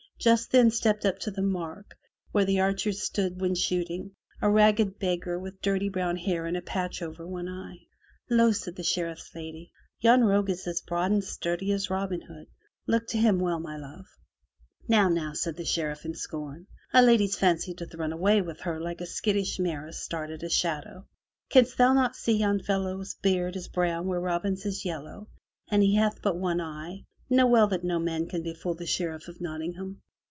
Just then stepped up to the mark where the archers stood when shooting, a ragged beggar with dirty brown hair and a patch over one eye. "Ho!" says the Sheriff's lady, "Yon rogue is as broad and sturdy as Robin Hood. Look to him well, my love." "Now, now!" says the Sheriff in scorn, "A lady's fancy doth run away with her like a skittish mare a start at a shadow. Canst 55 MY BOOK HOUSE thou not see yon fellow's beard is brown where Robin's is yellow and he hath but one eye. Know well that no man could befool the Sheriff of Nottingham.